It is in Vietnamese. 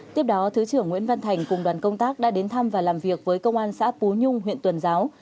tiếp đó thứ trưởng nguyễn văn thành cùng đoàn công tác đã đến thăm và làm việc với công an xã pú nhung huyện tuần giáo